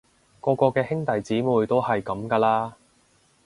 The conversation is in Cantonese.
個個嘅兄弟姊妹都係噉㗎啦